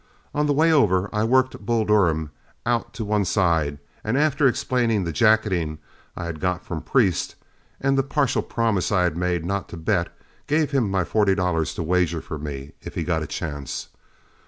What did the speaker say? On the way over I worked Bull Durham out to one side, and after explaining the jacketing I had got from Priest, and the partial promise I had made not to bet, gave him my forty dollars to wager for me if he got a chance.